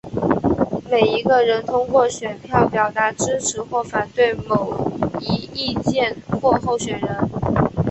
每一个人通过选票表达支持或反对某一意见或候选人。